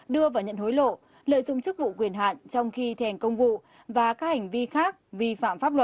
đưa và nhận hối lộ lợi dụng chức vụ quyền hạn trong khi thi hành công vụ và các hành vi khác vi phạm pháp luật